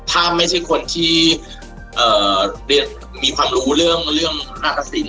ถ้าไม่ใช่คนที่มีความรู้เรื่องหน้าตะสิน